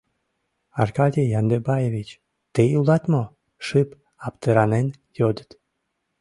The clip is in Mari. — Аркадий Яндыбаевич, тый улат мо? — шып, аптыранен йодыт.